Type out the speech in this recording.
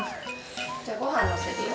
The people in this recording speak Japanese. じゃあごはんのせるよ。